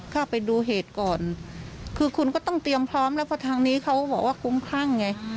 เข้าไปดูเหตุก่อนคือคุณก็ต้องเตรียมพร้อมแล้วเพราะทางนี้เขาบอกว่าคุ้มคลั่งไง